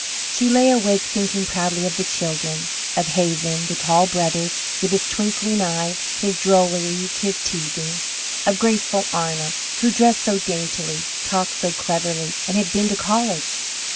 She lay long awake thinking proudly of the children; of Hazen, the tall brother, with his twinkling eyes, his drolleries, his teasing; of graceful Arna who dressed so daintily, talked so cleverly, and had been to college.